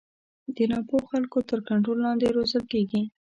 د نا پوه خلکو تر کنټرول لاندې روزل کېږي.